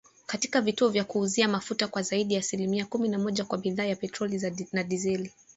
katika vituo vya kuuzia mafuta kwa zaidi ya asilimia kumi na moja kwa bidhaa ya petroli na dizeli